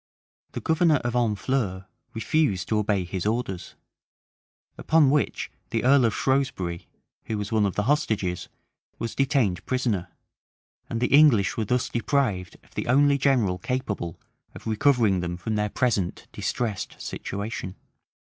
[*] {1450.} The governor of Honfleur refused to obey his orders; upon which the earl of Shrewsbury, who was one of the hostages, was detained prisoner; and the English were thus deprived of the only general capable of recovering them from their present distressed; situation.